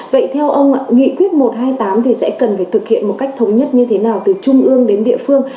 vậy theo ông ạ nghị quyết một trăm hai mươi tám thì sẽ cần phải thực hiện một cách thống nhất như thế nào từ trung ương đến địa phương